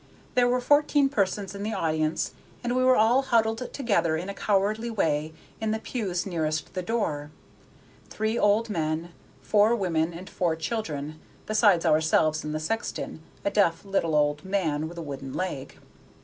There were fourteen persons in the audience, and we were all huddled together in a cowardly way in the pews nearest the door: three old men, four women, and four children, besides ourselves and the sexton, a deaf little old man with a wooden leg.